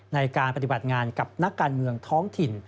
ในการปฏิบัติงานกับนักการเมืองท้องถิ่น